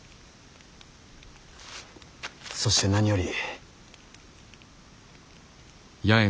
そして何より。